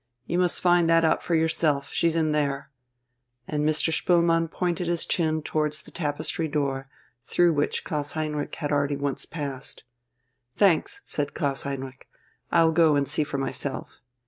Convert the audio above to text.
You must find that out for yourself. She's in there." And Mr. Spoelmann pointed his chin towards the tapestry door, through which Klaus Heinrich had already once passed. "Thanks," said Klaus Heinrich. "I'll go and see for myself."